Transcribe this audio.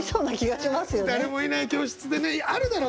誰もいない教室でねあるだろ？